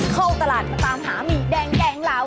เข้าตลาดมาตามหามีแดงแด่งราว